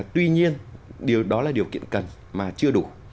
tuy nhiên điều đó là điều kiện cần mà chưa đủ